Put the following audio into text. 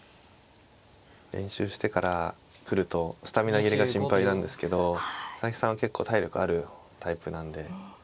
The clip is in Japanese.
練習してから来るとスタミナ切れが心配なんですけど佐々木さんは結構体力あるタイプなんで。